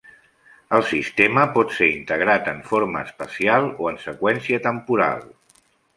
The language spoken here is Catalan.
El sistema pot ser integrat en forma espacial o en seqüència temporal.